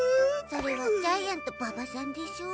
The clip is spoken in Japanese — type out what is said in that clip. それはジャイアント馬場さんでしょ。